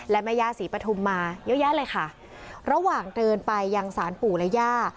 และแม่ย่าศรีปฐุมมาเยอะแยะเลยค่ะระหว่างเดินไปยังสารปู่และย่า